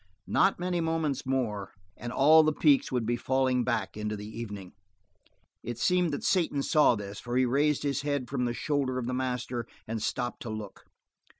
Not many moments more, and all the peaks would be falling back into the evening. It seemed that Satan saw this, for he raised his head from the shoulder of the master and stopped to look.